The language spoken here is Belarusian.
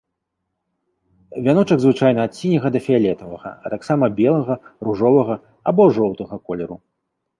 Вяночак звычайна ад сіняга да фіялетавага, а таксама белага, ружовага або жоўтага колеру.